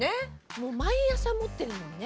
もう毎朝持ってるもんね。